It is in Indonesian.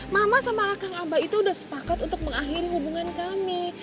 mama sama kakang abah itu sudah sepakat untuk mengakhiri hubungan kami